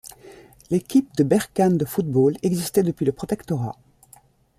L’équipe de Berkane de Football existait depuis le protectorat.